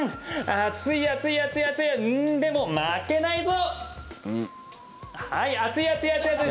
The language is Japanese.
暑い暑い暑い暑いでも、負けないぞ！